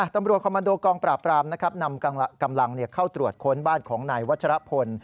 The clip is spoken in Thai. ตำรวจคอมมันโดกองปราบนำกำลังเข้าตรวจค้นบ้านของนายวัชรพล